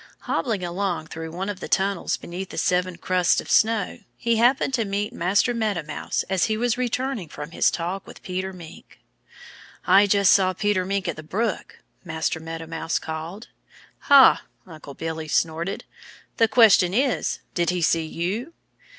Hobbling along through one of the tunnels beneath the seven crusts of snow he happened to meet Master Meadow Mouse as he was returning from his talk with Peter Mink. "I just saw Peter Mink at the brook!" Master Meadow Mouse called. "Ha!" Uncle Billy snorted. "The question is, did he see you?"